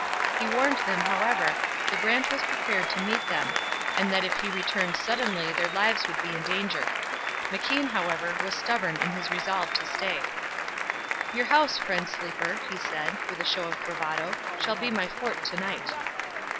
He warned them, however, that Brant was prepared to meet them, and that if he returned suddenly their lives would be in danger. McKean, however, was stubborn in his resolve to stay. 'Your house, friend Sleeper,' he said, with a show of bravado, 'shall be my fort to night.'